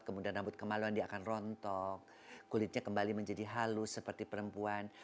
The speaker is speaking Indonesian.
kemudian rambut kemaluan dia akan rontok kulitnya kembali menjadi halus seperti perempuan